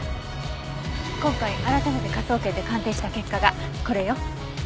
今回改めて科捜研で鑑定した結果がこれよ。